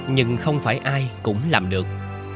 nhưng không phải ai cũng làm được